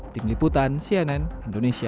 tim liputan cnn indonesia